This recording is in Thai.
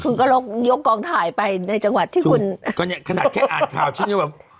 คุณก็ลกยกกองถ่ายไปในจังหวัดที่คุณก็เนี่ยขนาดแค่อ่านข่าวฉันยังแบบ